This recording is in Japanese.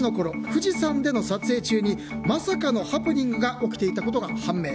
富士山での撮影中にまさかのハプニングが起きていたことが判明。